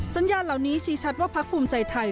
สัญญาณเหล่านี้ชี้ชัดว่าพักภูมิใจไทย